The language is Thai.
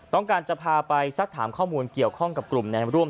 ต้องการจะพาไปสักถามข้อมูลเกี่ยวข้องกับกลุ่มแนมร่วม